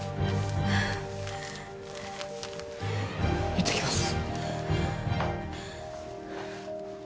いってきます。